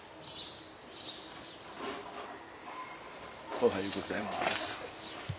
おはようございます。